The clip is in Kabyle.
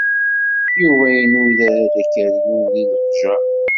Yuba inuda-d akeryun deg leqjer.